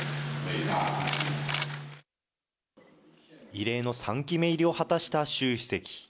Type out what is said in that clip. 異例の３期目入りを果たした習主席。